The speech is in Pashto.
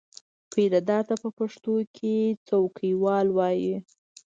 پیرهدار ته په پښتو کې څوکیوال وایي.